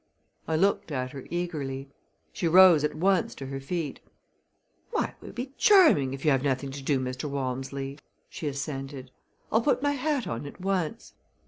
I looked at her eagerly. She rose at once to her feet. "Why, it would be charming, if you have nothing to do, Mr. Walmsley," she assented. "I'll put my hat on at once."